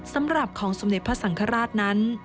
สำหรับของสมเด็จพระสังฆราชนั้น